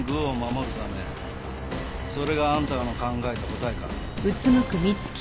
それがあんたらの考えた答えか。